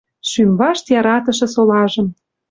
Шӱм вашт яратышы солажым